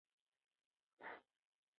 ځینې محصلین د ډله ییز کار لپاره ځان وقفوي.